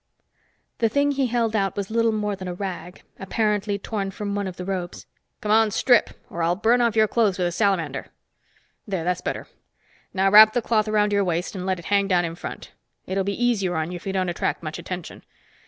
The thing he held out was little more than a rag, apparently torn from one of the robes. "Come on, strip, or I'll burn off your clothes with a salamander. There, that's better. Now wrap the cloth around your waist and let it hang down in front. It'll be easier on you if you don't attract much attention.